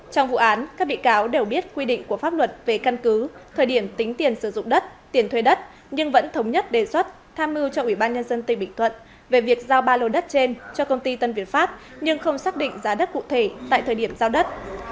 trong vụ án các bị cáo đều biết quy định của pháp luật về căn cứ thời điểm tính tiền sử dụng đất tiền thuê đất nhưng vẫn thống nhất đề xuất tham mưu cho ủy ban nhân dân tỉnh bình thuận về việc giao ba lô đất trên cho công ty tân việt pháp nhưng không xác định giá đất cụ thể tại thời điểm giao đất